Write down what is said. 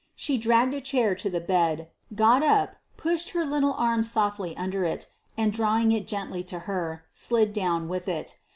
She dragged a chair to the bed, got, up, pushed her little arms softly under it, and drawing it gently to her, slid down with it.